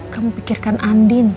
kamu pikirkan andin